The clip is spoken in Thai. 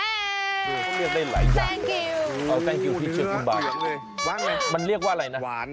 เรียกได้หลายอย่างอ๋อขอบคุณที่เชิญคุณบ้างมันเรียกว่าอะไรนะ